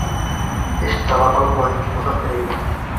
Эш таба алмайым, шуға ҡыйын!